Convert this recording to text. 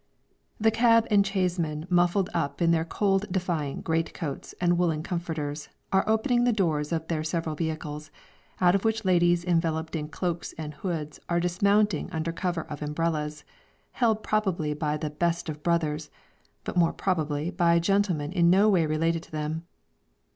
The cab and chaise men muffled up in their cold defying great coats and woolen comforters, are opening the doors of their several vehicles, out of which ladies enveloped in cloaks and hoods are dismounting under cover of umbrellas, held probably by the "best of brothers," but more probably by gentlemen in no way related to them.